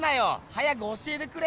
早く教えてくれ！